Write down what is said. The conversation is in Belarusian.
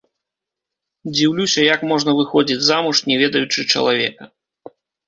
Дзіўлюся, як можна выходзіць замуж, не ведаючы чалавека?